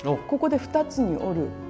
ここで二つに折る。